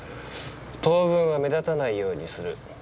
当分は目立たないようにする。